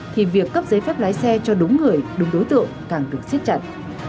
thì việc cấp giấy phép lái xe cho đúng người đúng đối tượng càng được siết chặt